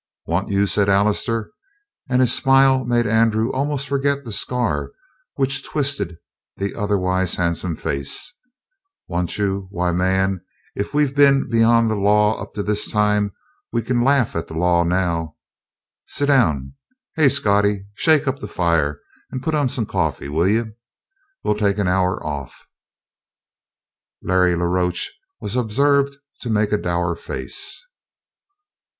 "Want you?" said Allister, and his smile made Andrew almost forget the scar which twisted the otherwise handsome face. "Want you? Why, man, if we've been beyond the law up to this time, we can laugh at the law now. Sit down. Hey, Scottie, shake up the fire and put on some coffee, will you? We'll take an hour off." Larry la Roche was observed to make a dour face.